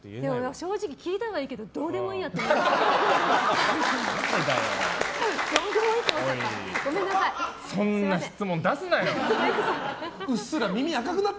正直、聞いたはいいけどどうでもいいって思っちゃった。